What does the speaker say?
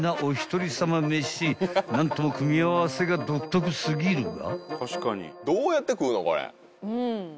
［何とも組み合わせが独特過ぎるが］